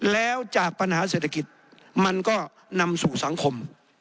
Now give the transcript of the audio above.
แล้วจากปัญหาเศรษฐกิจมันก็นำสู่สังคม